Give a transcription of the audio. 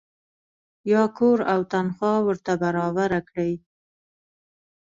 یا کور او تنخوا ورته برابره کړي.